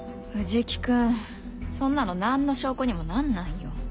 藤木君そんなの何の証拠にもなんないよ。